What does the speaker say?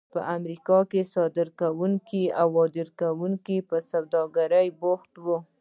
په امریکا کې صادروونکي او واردوونکي پر سوداګرۍ بوخت وو.